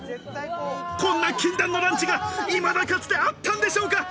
こんな禁断のランチがいまだかつて、あったんでしょうか。